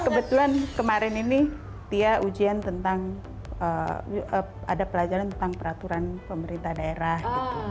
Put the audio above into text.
kebetulan kemarin ini tia ujian tentang ada pelajaran tentang peraturan pemerintah daerah